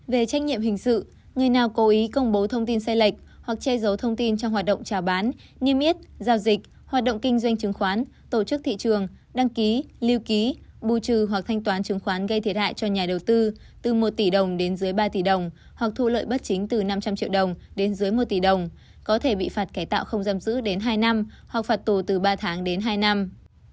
về trách nhiệm hình sự người nào cố ý công bố thông tin sai lệch hoặc che giấu thông tin trong hoạt động trả bán nhiêm yết giao dịch hoạt động kinh doanh chứng khoán tổ chức thị trường đăng ký lưu ký bù trừ hoặc thanh toán chứng khoán gây thiệt hại cho nhà đầu tư từ một tỷ đồng đến dưới ba tỷ đồng hoặc thu lợi bất chính từ năm trăm linh triệu đồng đến dưới một tỷ đồng có thể bị phạt kẻ tạo không giam giữ đến hai năm hoặc phạt tù từ ba tháng đến hai năm